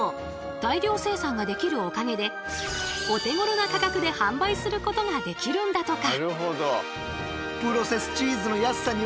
大量生産ができるおかげでお手ごろな価格で販売することができるんだとか。